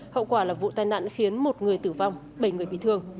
hậu quả là vụ tai nạn khiến một người tử vong bảy người bị thương